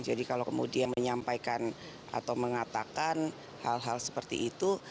jadi kalau kemudian menyampaikan atau mengatakan hal hal seperti itu